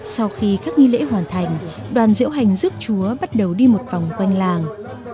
sau khi các nghi lễ hoàn thành đoàn diễu hành giúp chúa bắt đầu đi một vòng quanh làng